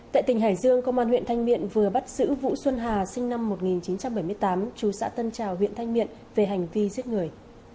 tại tỉnh hải dương công an huyện thanh miện vừa bắt giữ vũ xuân hà sinh năm một nghìn chín trăm bảy mươi tám chú xã tân trào huyện thanh miện về hành vi giết người